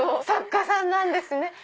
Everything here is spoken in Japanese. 作家さんなんですね！